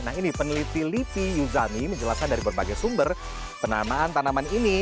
nah ini peneliti lipi yuzani menjelaskan dari berbagai sumber penamaan tanaman ini